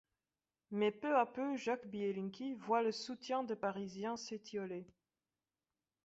Mais peu à peu Jacques Biélinky voit le soutien des Parisiens s'étioler.